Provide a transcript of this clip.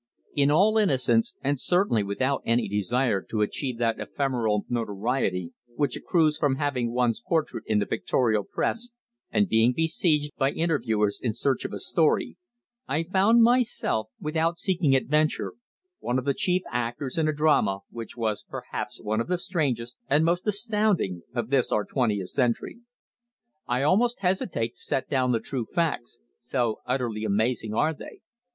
In all innocence, and certainly without any desire to achieve that ephemeral notoriety which accrues from having one's portrait in the pictorial press and being besieged by interviewers in search of a "story," I found myself, without seeking adventure, one of the chief actors in a drama which was perhaps one of the strangest and most astounding of this our twentieth century. I almost hesitate to set down the true facts, so utterly amazing are they.